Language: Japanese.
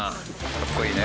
かっこいいね。